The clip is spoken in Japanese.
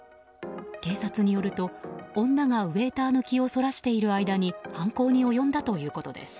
警察によると女がウェーターの気をそらしている間に犯行に及んだということです。